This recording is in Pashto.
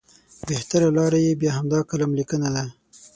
بهتره لاره یې بیا همدا کالم لیکنه ده.